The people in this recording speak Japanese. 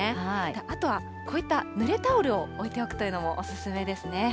あとは、こういったぬれタオルを置いておくというのもお勧めですね。